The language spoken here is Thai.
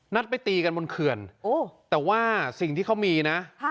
นัดไปตีกันบนเขื่อนโอ้แต่ว่าสิ่งที่เขามีน่ะฮะ